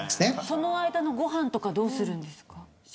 その間のご飯はどうするんですか。